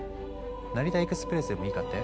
成田エクスプレスでもいいかって？